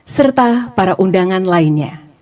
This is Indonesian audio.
serta para undangan lainnya